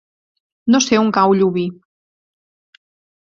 No sé on cau Llubí.